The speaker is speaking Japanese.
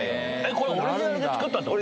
これオリジナルで作ったってこと？